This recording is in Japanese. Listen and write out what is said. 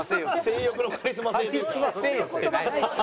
性欲のカリスマ性ですか？